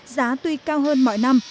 giá tuy cao hơn mọi năm